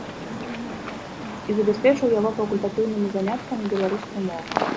І забяспечыў яго факультатыўнымі заняткамі беларускай мовы.